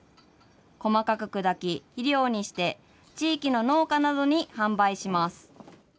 細かく砕き、肥料にして、地域の農家などに販売します。